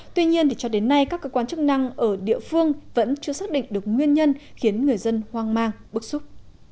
tuy nhiên cho đến nay các cơ quan chức năng ở địa phương vẫn chưa xác định được nguyên nhân khiến người dân hoang mang bức xúc